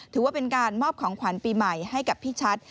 ถือว่าเป็นการมอบของขวัญปีใหม่ให้กับพี่ชัด